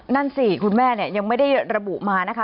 นั่นสิคุณแม่ยังไม่ได้ระบุมานะคะ